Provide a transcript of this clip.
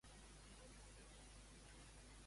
Què va demanar-li Adrast a Amfiarau?